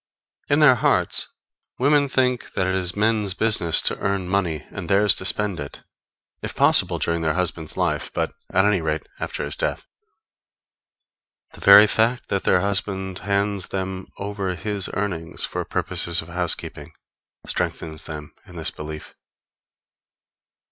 In their hearts, women think that it is men's business to earn money and theirs to spend it if possible during their husband's life, but, at any rate, after his death. The very fact that their husband hands them over his earnings for purposes of housekeeping, strengthens them in this belief.